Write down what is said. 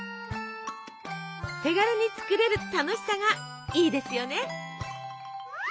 手軽に作れる楽しさがいいですよね！